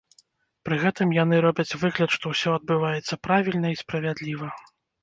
Пры гэтым яны робяць выгляд, што ўсё адбываецца правільна і справядліва.